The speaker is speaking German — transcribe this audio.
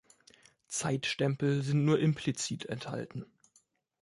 Zeitstempel sind nur implizit enthalten.